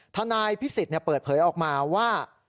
นายพิสิทธิ์เปิดเผยออกมาว่า